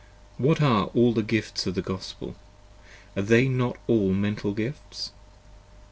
What are all the Gifts of the Gospel, are they not all Mental Gifts?